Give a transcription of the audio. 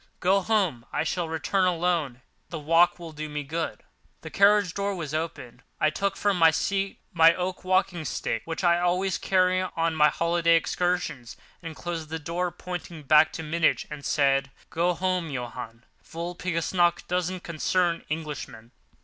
Go home; I shall return alone; the walk will do me good." The carriage door was open. I took from the seat my oak walking stick—which I always carry on my holiday excursions—and closed the door, pointing back to Munich, and said, "Go home, Johann—Walpurgis nacht doesn't concern Englishmen."